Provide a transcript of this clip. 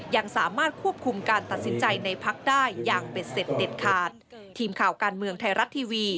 ยังสามารถควบคุมการตัดสินใจในพักได้อย่างเป็นเสร็จเด็ดขาด